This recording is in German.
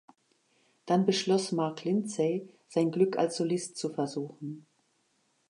Dann beschloss Mark Lindsay, sein Glück als Solist zu versuchen.